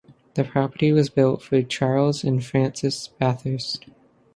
The property was built for Charles and Frances Bathurst.